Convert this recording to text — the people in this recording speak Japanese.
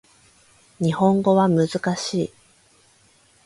日本語は難しい